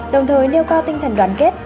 đồng thời nêu cao tinh thần đoàn kết